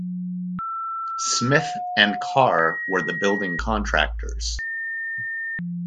Smith and Carr were the building contractors.